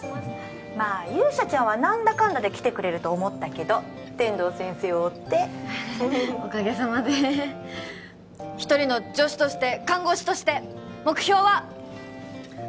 まあ勇者ちゃんは何だかんだで来てくれると思ったけど天堂先生を追っておかげさまで一人の女子として看護師として目標はっ